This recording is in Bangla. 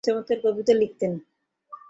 তিনি চমৎকার কবিতা লিখতেন।